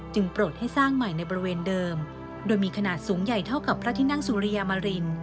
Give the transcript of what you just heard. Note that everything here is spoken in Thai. โปรดให้สร้างใหม่ในบริเวณเดิมโดยมีขนาดสูงใหญ่เท่ากับพระที่นั่งสุริยามริน